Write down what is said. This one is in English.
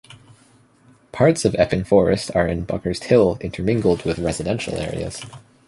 Parts of Epping Forest are in Buckhurst Hill intermingled with residential areas.